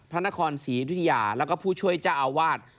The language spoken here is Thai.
พระนครศรียุธิยาแล้วก็ผู้ช่วยเจ้าอาวาส